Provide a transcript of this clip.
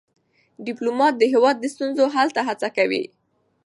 ډيپلومات د هیواد د ستونزو حل ته هڅه کوي.